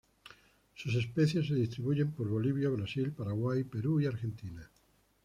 Sus especies se distribuyen por Bolivia, Brasil, Paraguay, Perú y Argentina.